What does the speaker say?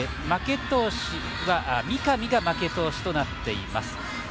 三上が負け投手になっています。